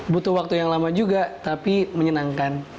butuh waktu yang lama juga tapi menyenangkan